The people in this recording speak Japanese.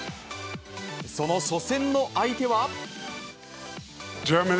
その初戦の相手は。